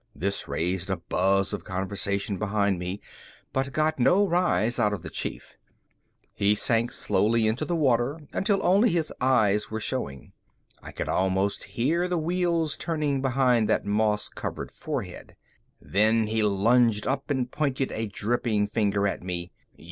This raised a buzz of conversation behind me, but got no rise out of the chief. He sank slowly into the water until only his eyes were showing. I could almost hear the wheels turning behind that moss covered forehead. Then he lunged up and pointed a dripping finger at me.